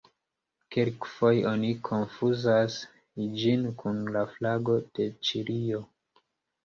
Kelkfoje oni konfuzas ĝin kun la flago de Ĉilio.